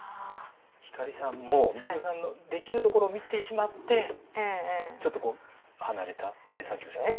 光さんも光代さんのできるところを見てしまってちょっとこう離れたってさっきおっしゃってた？